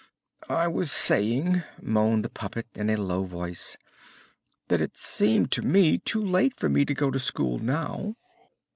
"I was saying," moaned the puppet in a low voice, "that it seemed to me too late for me to go to school now."